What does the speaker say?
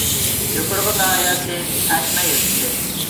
يوپۇرغا ناھىيەسى ئەشمە يېزىسى